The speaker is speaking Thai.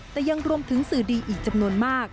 แต่ยังรวมถึงสื่อดีอีกจำนวนมาก